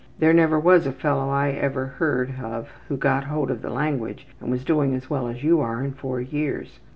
There never was a fellow I ever heard of who got hold of the language and was doing as well as you are in four years.'